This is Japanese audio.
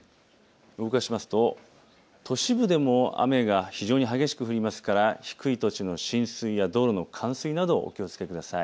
動かしますと、都市部でも雨が非常に激しく降りますから低い土地の浸水や道路の冠水などお気をつけください。